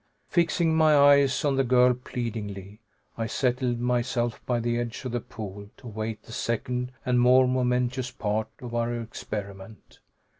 Fixing my eyes on the girl pleadingly, I settled myself by the edge of the pool to await the second and more momentous part of our experiment.